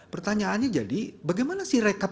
pertanyaannya jadi bagaimana sih rekap